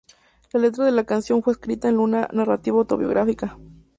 La letra de la canción fue escrita en una narrativa autobiográfica.